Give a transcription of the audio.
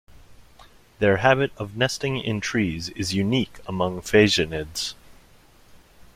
Their habit of nesting in trees is unique among phasianids.